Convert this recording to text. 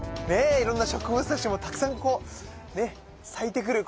いろんな植物たちもたくさんこうね咲いてくる時期。